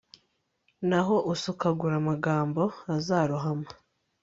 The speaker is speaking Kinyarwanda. naho usukagura amagambo azarohama